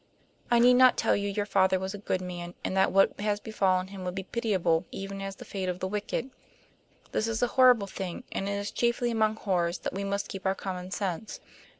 I need not tell you your father was a good man, and that what has befallen him would be pitiable, even as the fate of the wicked. This is a horrible thing, and it is chiefly among horrors that we must keep our common sense.